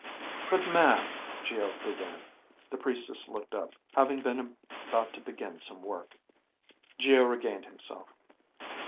"But, ma'am ..." Geo began. The priestess looked up, having been about to begin some work. Geo regained himself.